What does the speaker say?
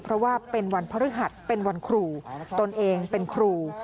เพราะว่าเป็นวันพฤหัสเป็นวันครูตนเองเป็นครู